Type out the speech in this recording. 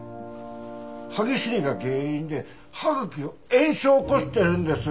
歯ぎしりが原因で歯茎が炎症を起こしてるんです。